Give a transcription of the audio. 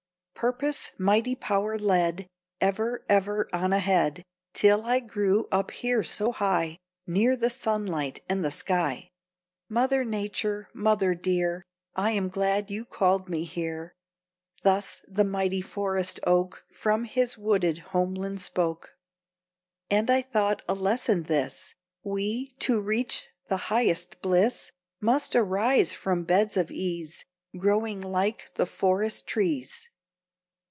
Purpose, mighty power, led, Ever, ever on ahead, Till I grew up here so high, Near the sunlight and the sky. Mother Nature, mother dear, I am glad you called me here. Thus the mighty forest oak From his wooded homeland spoke. And I thought a lesson this We, to reach the highest bliss, Must arise from beds of ease, Growing like the forest trees.